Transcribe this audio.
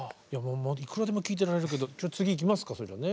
いくらでも聞いてられるけどじゃ次行きますかそれじゃね。